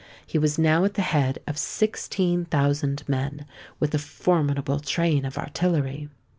He was now at the head of sixteen thousand men, with a formidable train of artillery.